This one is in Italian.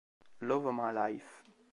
Love My Life